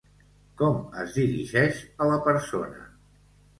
Com es dirigeix a la persona?